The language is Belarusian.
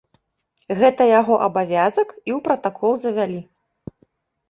Гэта яго абавязак і ў пратакол завялі.